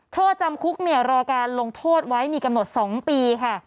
โทษจำคุกรอการลงโทษไว้มีกำหนด๒ปีค่ะ